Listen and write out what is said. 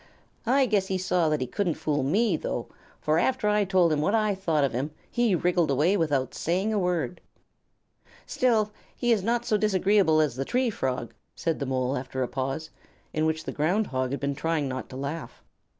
I guess he saw that he couldn't fool me, though, for after I told him what I thought of him he wriggled away without saying a word." "Still he is not so disagreeable as the Tree Frog," said the Mole, after a pause in which the Ground Hog had been trying not to laugh.